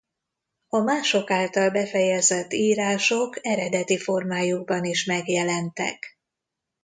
A mások által befejezett írások eredeti formájukban is megjelentek.